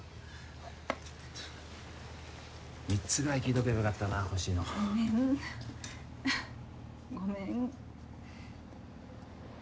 ３つぐらい聞いとけばよかったな欲しいのごめんごめん